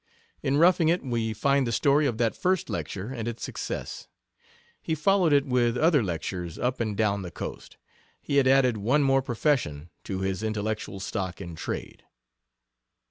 In Roughing It we find the story of that first lecture and its success. He followed it with other lectures up and down the Coast. He had added one more profession to his intellectual stock in trade.